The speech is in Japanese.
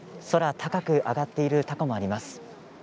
空高く揚がっているたこもあります。